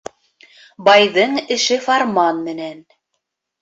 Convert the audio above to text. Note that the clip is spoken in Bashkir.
Байҙың эше фарман менән